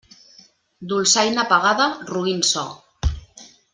Dolçaina pagada, roín so.